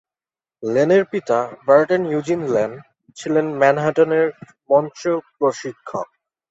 লেনের পিতা Burton Eugene Lane ছিলেন ম্যানহাটনের মঞ্চ প্রশিক্ষক।